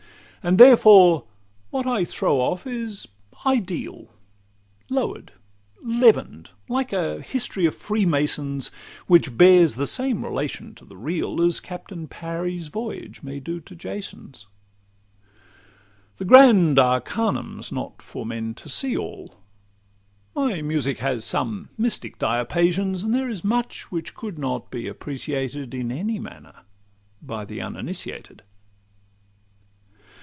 And therefore what I throw off is ideal— Lower'd, leaven'd, like a history of freemasons; Which bears the same relation to the real, As Captain Parry's voyage may do to Jason's. The grand arcanum 's not for men to see all; My music has some mystic diapasons; And there is much which could not be appreciated In any manner by the uninitiated.